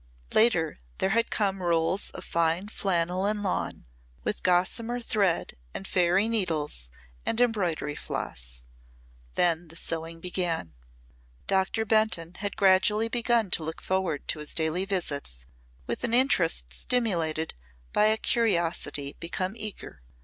Later there had come rolls of fine flannel and lawn, with gossamer thread and fairy needles and embroidery floss. Then the sewing began. Doctor Benton had gradually begun to look forward to his daily visits with an interest stimulated by a curiosity become eager.